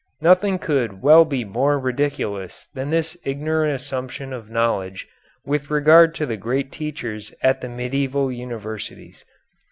Nothing could well be more ridiculous than this ignorant assumption of knowledge with regard to the great teachers at the medieval universities.